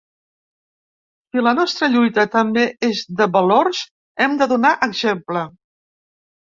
Si la nostra lluita també és de valors hem de donar exemple.